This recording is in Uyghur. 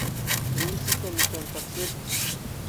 نېمىسى كەم ئىكەن تەقسىر؟